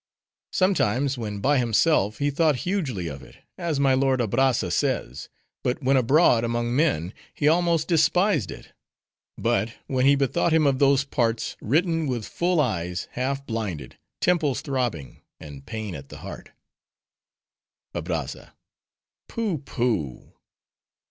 Sometimes, when by himself, he thought hugely of it, as my lord Abrazza says; but when abroad, among men, he almost despised it; but when he bethought him of those parts, written with full eyes, half blinded; temples throbbing; and pain at the heart— ABRAZZA—Pooh! pooh!